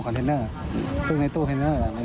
คอนเทนเนอร์อืมคือในตู้คอนเทนเนอร์อ่ะ